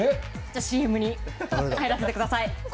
ＣＭに入らせてください。